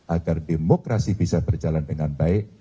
agar demokrasi bisa berjalan dengan baik